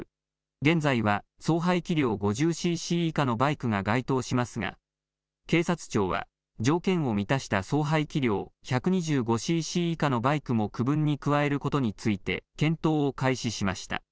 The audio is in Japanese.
現在は総排気量５０ｃｃ以下のバイクが該当しますが警察庁は条件を満たした総排気量１２５ｃｃ以下のバイクも区分に加えることについて検討を開始しました。